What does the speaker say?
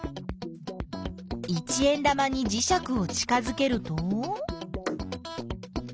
一円玉にじしゃくを近づけると？